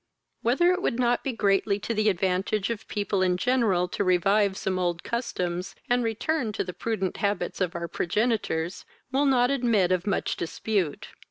Whether it would not be greatly to the advantage of people in general to revive some old customs, and return to the prudent habits of our progenitors, will not admit of much dispute.